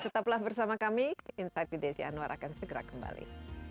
tetaplah bersama kami insight with desi anwar akan segera kembali